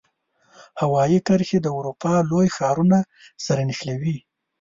هوایي کرښې د اروپا لوی ښارونو سره نښلوي.